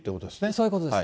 そういうことです。